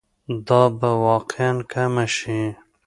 دا به واقعاً کمه شي.